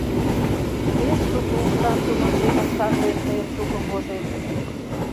Пеш шуко укшан тумо семын шарлен тыйын тукым вожет.